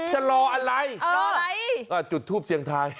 จะรออะไรจุดทูบเสียงทาย